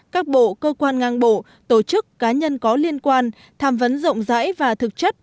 các bộ cơ quan ngang bộ tổ chức cá nhân có liên quan tham vấn rộng rãi và thực chất